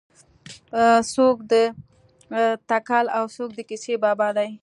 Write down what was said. څوک د تکل او څوک د کیسې بابا دی.